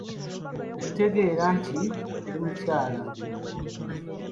Ntegeera nti oli muyala.